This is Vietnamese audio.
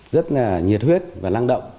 rất là nhiệt huyết và lăng động